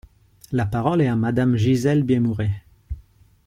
La parole est à Madame Gisèle Biémouret.